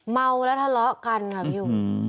เมาแล้วทะเลาะกันค่ะพี่อุ๋ย